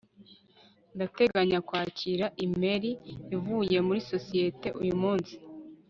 ndateganya kwakira imeri ivuye muri sosiyete uyu munsi